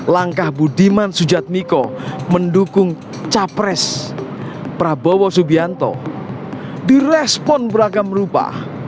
langkah budiman sujatmiko mendukung capres prabowo subianto direspon beragam rupa